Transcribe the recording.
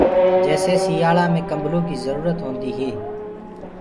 جيسي سيآݪآ مي ڪمبلو ڪيٚ جرورت هونديٚ هي